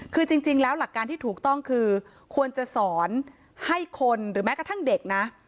คือจริงแล้วหลักการที่ถูกต้องคือควรจะสอนให้คนหรือแม้กระทั่งเด็กนะ